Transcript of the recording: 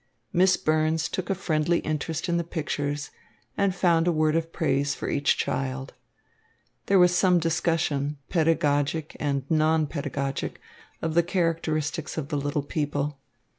Miss Burns took a friendly interest in the pictures and found a word of praise for each child. There was some discussion, pedagogic and non pedagogic, of the characteristics of the little people.